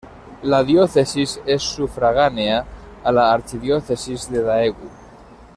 La diócesis es sufragánea a la Archidiócesis de Daegu.